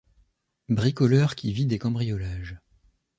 Bricoleur qui vit des cambriolages.